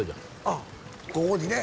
あっここにね。